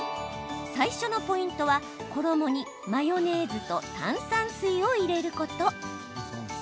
最初のポイントは衣にマヨネーズと炭酸水を入れること。